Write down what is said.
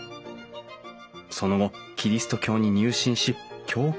その後キリスト教に入信し教会を設立。